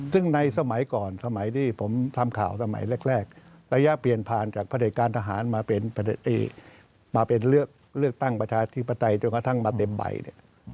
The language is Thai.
ซึ่งในสมัยก่อนสมัยที่ผมทำข่าวสมัยแรกระยะเปลี่ยนผ่านจากพระเด็จการทหารมาเป็นเลือกตั้งประชาธิปไตยจนกระทั่งมาเต็มใบเนี่ย